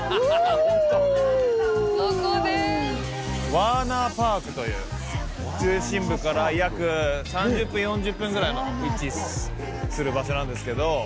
ワーナーパークという中心部から約３０分４０分ぐらいの位置する場所なんですけど。